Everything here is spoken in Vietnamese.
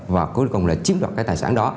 và cuối cùng là chiếm đoạt cái tài sản đó